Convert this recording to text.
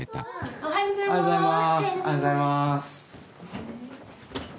おはようございます。